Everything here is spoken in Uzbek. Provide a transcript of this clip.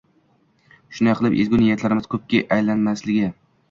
Shunday qilib, ezgu niyatlarimiz ko‘pikka aylanmasligi